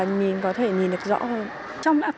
nhìn có thể nhìn được rõ hơn